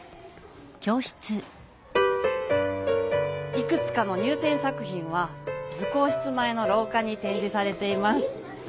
いくつかの入せん作品は図工室前のろうかにてんじされています。